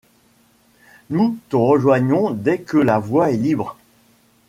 Nous te rejoignons dès que la voie est libre.